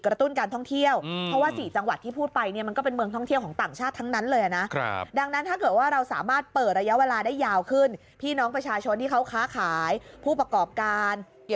กระตุ้นการท่องเที่ยวเพราะว่าสี่จังหวัดที่พูดไป